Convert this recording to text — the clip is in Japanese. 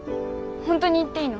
ほんとに言っていいの？